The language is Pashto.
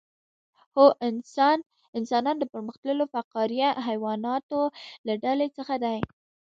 هو انسانان د پرمختللو فقاریه حیواناتو له ډلې څخه دي